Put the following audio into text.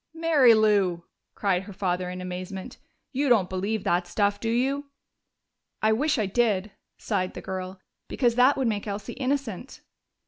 "Mary Lou!" cried her father in amazement. "You don't believe that stuff, do you?" "I wish I did," sighed the girl. "Because that would make Elsie innocent."